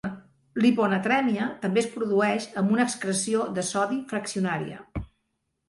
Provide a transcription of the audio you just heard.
L'hiponatremia també es produeix amb una excreció de sodi fraccionaria.